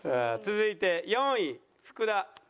続いて４位福田。